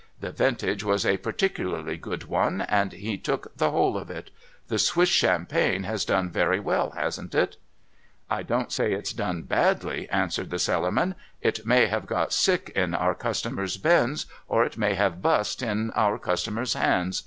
' The vintage was a particularly good one, and he took the whole of it. The Swiss champagne has done very well, hasn't it ?'' I don't say it's done badly,' answered the Cellarman. ' It may have got sick in our customers' bins, or it may have bust in our customers' hands.